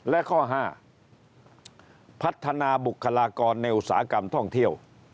และข้อ๕พัฒนาบุคลากรในอุตสาหกรรมท่องเที่ยว